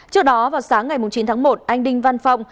trước đó vào sáng ngày chín tháng một anh đinh văn phong